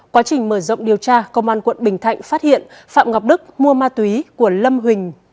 quá trình mở rộng điều tra công an quận bình thạnh phát hiện phạm ngọc đức mua ma túy của lâm huỳnh